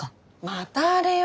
またあれよ。